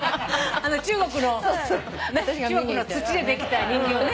あの中国の土でできた人形ね。